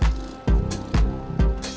jalan atau pake motor